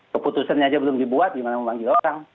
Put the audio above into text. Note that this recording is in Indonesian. keputusan nya aja belum dibuat gimana mau memanggil orang